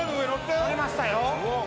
乗りましたよ！